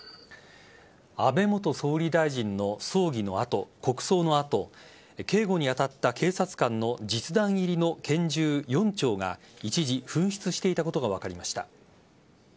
安倍元総理大臣の国葬の後警護に当たった警察官の実弾入りの拳銃４丁が一時、紛失していたことが分かりました。